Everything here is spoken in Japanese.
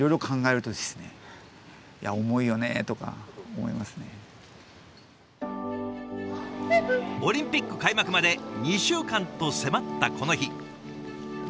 そうですねまあオリンピック開幕まで２週間と迫ったこの日。